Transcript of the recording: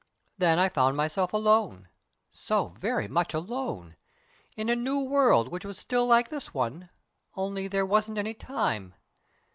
Then I found myself alone so very much alone in a new world which was still like this one, only there wasn't any time.